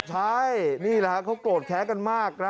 ใช่นี่แหละเขากรดแค้นกันมาก